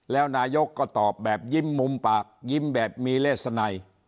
แล้วนายกก็ตอบแบบยิ้มมุมปากยิ้มแบบมีเลสนัย